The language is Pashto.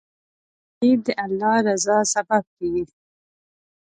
نیکي د الله رضا سبب کیږي.